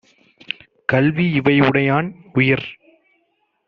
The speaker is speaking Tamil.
கல்வி இவையுடையான் - உயர்